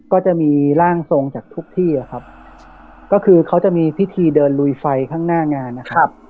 ก็จะมีร่างทรงจากทุกที่อะครับก็คือเขาจะมีพิธีเดินลุยไฟข้างหน้างานนะครับ